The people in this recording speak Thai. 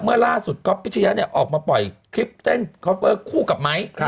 เมื่อล่าสุดก๊อฟพิชยะเนี่ยออกมาปล่อยคลิปเต้นคอฟเวอร์คู่กับไม้